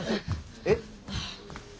えっ。